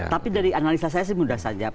tapi dari analisa saya sih mudah saja